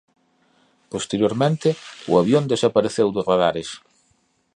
Posteriormente o avión desapareceu dos radares.